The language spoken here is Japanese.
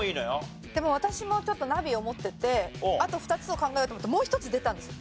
でも私もナビを持っててあと２つを考えようと思ったらもう１つ出たんですよ。